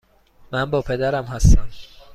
من با پدرم هستم.